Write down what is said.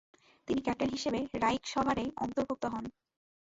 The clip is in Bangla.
তিনি ক্যাপ্টেন হিসেবে রাইখসভারে অন্তর্ভুক্ত হন।